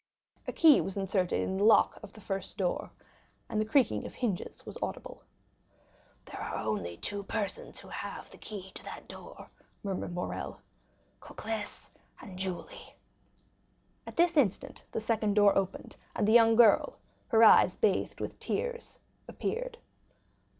A key was inserted in the lock of the first door, and the creaking of hinges was audible. "There are only two persons who have the key to that door," murmured Morrel, "Cocles and Julie." At this instant the second door opened, and the young girl, her eyes bathed with tears, appeared.